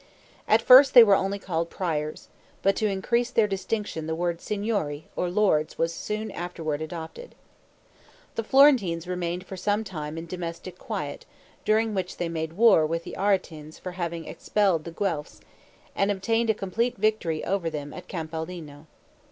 At first they were only called Priors, but to increase their distinction the word signori, or lords, was soon afterward adopted. The Florentines remained for some time in domestic quiet, during which they made war with the Aretins for having expelled the Guelphs, and obtained a complete victory over them at Campaldino.